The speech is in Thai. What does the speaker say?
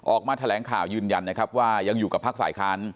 ออกมาแถลงข่าวยืนยันนะครับว่ายังอยู่กับภาคฝ่ายค้าน